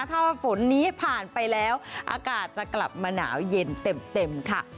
ถ้าว่าฝนนี้ผ่านไปแล้วอากาศจะกลับมาหนาวเย็นเต็มค่ะ